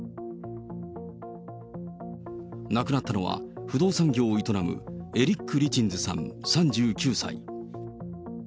亡くなったのは、不動産業を営む、エリック・リチンズさん３９歳。